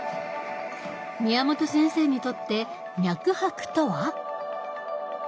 宮本先生にとって脈拍とは？